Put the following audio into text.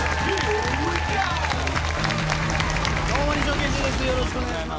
よろしくお願いします。